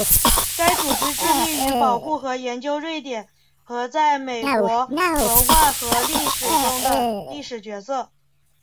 该组织致力于保护和研究瑞典和在美国文化和历史中的历史角色。